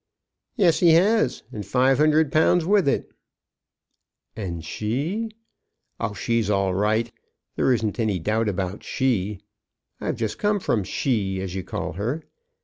"Yes, he has; and five hundred pounds with it." "And she ?" "Oh, she's all right. There isn't any doubt about she. I've just come from she, as you call her.